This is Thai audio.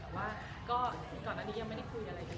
จริงก็เป็นวันที่เราไปร่วมกันต่างนั้น